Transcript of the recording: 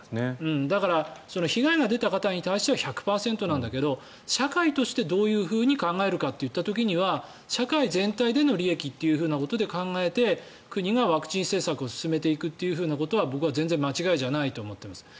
だから、被害が出た方に対しては１００％なんだけど社会としてどういうふうに考えるかといった時には社会全体での利益と考えて国がワクチン政策を進めていくということは僕は全然間違いじゃないと思っています。